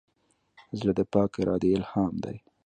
زړه د پاک ارادې الهام دی.